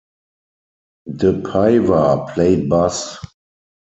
DePaiva played bass.